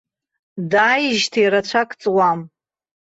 Дааижьҭеи рацәак ҵуам.